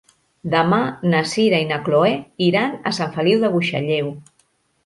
Demà na Sira i na Chloé iran a Sant Feliu de Buixalleu.